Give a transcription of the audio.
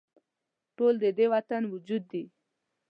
ټول د دې وطن وجود دي